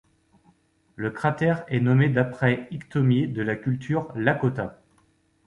Le cratère est nommé d'après Iktomi de la culture lakota.